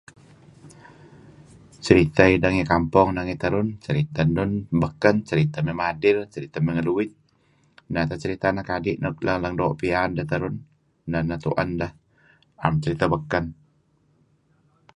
Seriteh ideh ngi kampong nangey terun, ceritah enun seritah beken mey madil, mey ngeluit, neh teh seritah anak adi' nuk leng-leng doo' piyan deh terun. Neh-neh tu'en deh, 'am seritah beken,